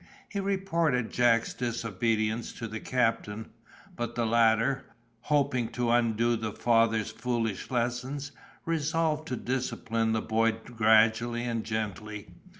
He reported Jack's disobedience to the Captain, but the latter, hoping to undo the father's foolish lessons, resolved to discipline the boy gradually and gently.